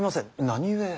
何故。